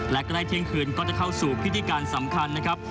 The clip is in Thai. และใกล้เที่ยงคืนก็จะเข้าสู่พิธีการสำคัญนะครับ